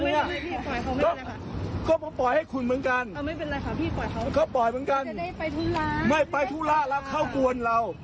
แล้วก็สอนเขาผมด่าอะไรคุณ